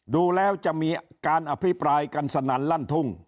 ดูแล้วจะมีการอภิปรายกันสนั่นลั่นทุ่ง